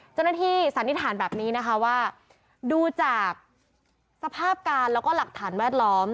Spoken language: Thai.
สันนิษฐานแบบนี้นะคะว่าดูจากสภาพการแล้วก็หลักฐานแวดล้อม